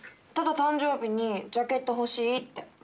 ただ誕生日にジャケット欲しいって。